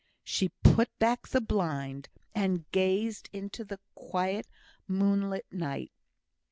She put back the blind, and gazed into the quiet moonlight night.